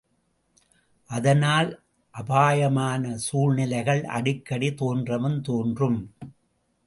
அதனால் அபாயமான சூழ்நிலைகள் அடிக்கடி தோன்றவும் தோன்றும்.